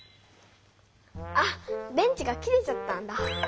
あ電池が切れちゃったんだ。